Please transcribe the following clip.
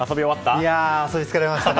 遊び疲れましたね。